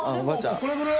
これぐらいは。